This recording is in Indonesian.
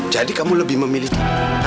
jadi kamu lebih memiliki